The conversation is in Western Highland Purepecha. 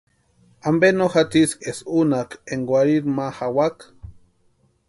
¿Ampe no jatsiski eska únhaka énka warhiri ma jawaka?